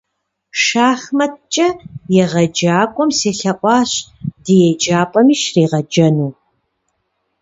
Шахматкӏэ егъэджакӏуэм селъэӏуащ ди еджапӏэми щригъэджэну.